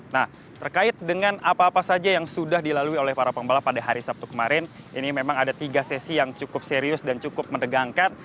nah terkait dengan apa apa saja yang sudah dilalui oleh para pembalap pada hari sabtu kemarin ini memang ada tiga sesi yang cukup serius dan cukup mendegangkan